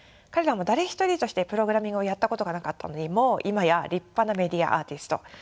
彼らも誰一人としてプログラミングをやったことがなかったのにもう今や立派なメディアアーティスト。